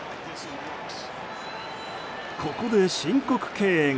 ここで申告敬遠。